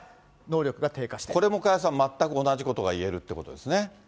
これも加谷さん、全く同じことが言えるってことですね。